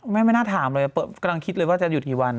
ไม่น่าถามเลยกำลังคิดเลยว่าจะหยุดกี่วัน